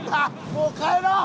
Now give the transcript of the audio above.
もう帰ろう！